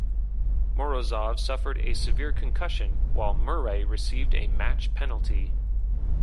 Morozov suffered a severe concussion, while Murray received a match penalty.